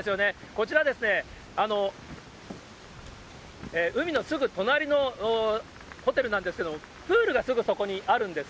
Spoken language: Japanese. こちら、海のすぐ隣のホテルなんですけれども、プールがすぐそこにあるんです。